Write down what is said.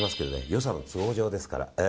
予算の都合上ですから。